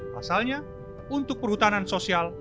pasalnya untuk perhutanan sosial